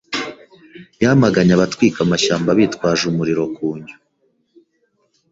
Yamaganye abatwika amashyamba bitwaje umuriro ku njyo